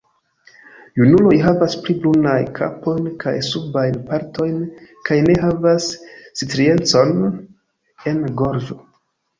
Junuloj havas pli brunajn kapojn kaj subajn partojn kaj ne havas striecon en gorĝo.